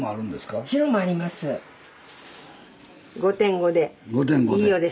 ５．５で。